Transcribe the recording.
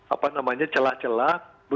apa namanya celah celah